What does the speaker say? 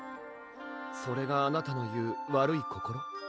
それがあなたの言う悪い心？